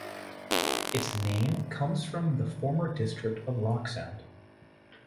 Its name comes from the former district of Rock Sound.